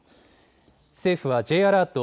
政府はＪアラート